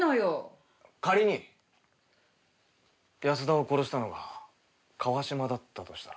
仮に安田を殺したのが川島だったとしたら。